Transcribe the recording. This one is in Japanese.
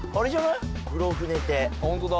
ホントだ。